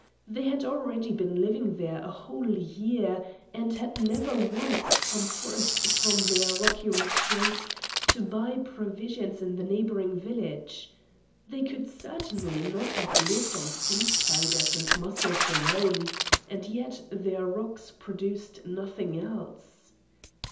They had already been living there a whole year, and had never once come forth from their rocky retreat to buy provisions in the neighbouring village. They could certainly not have lived on sea spiders and mussels alone; and yet their rocks produced nothing else.